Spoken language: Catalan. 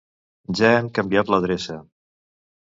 Ja hem canviat l'adreça.